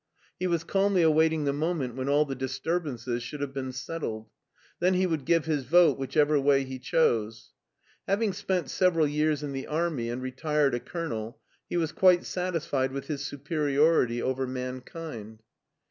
He was calmly await ing the mcmient when all the disturbances should have been settled. Then he would give his vote whichever way he chose. Having spent several years in the army and retired a colonel, he was quite satisfied with his superiority over mankind.